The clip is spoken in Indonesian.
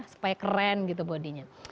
supaya keren gitu bodinya